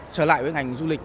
trở lại với ngành du lịch